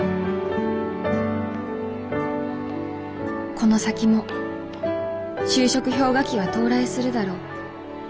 この先も就職氷河期は到来するだろう。